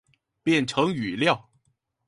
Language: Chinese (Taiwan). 變成語料